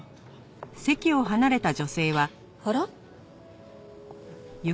あら？